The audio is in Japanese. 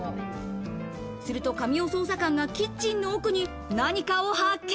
すると神尾捜査官がキッチンの奥に何かを発見。